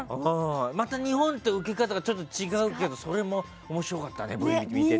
また日本とウケ方がちょっと違うけどそれも面白かったね、Ｖ見てて。